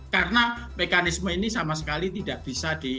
karena mekanisme ini sama sekali tidak bisa diawasi